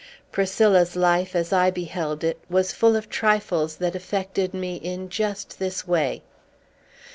Priscilla's life, as I beheld it, was full of trifles that affected me in just this way.